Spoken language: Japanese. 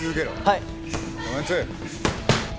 はい。